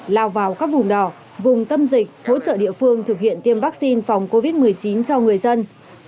lao vào các vùng đỏ vùng tâm dịch hỗ trợ địa phương thực hiện tiêm vaccine phòng covid một mươi chín cho người dân